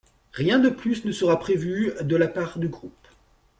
Rien de plus ne sera prévu de la part du groupe.